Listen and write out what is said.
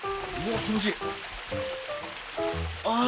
あ気持ちいい！